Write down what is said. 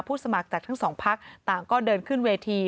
สมัครจากทั้งสองพักต่างก็เดินขึ้นเวที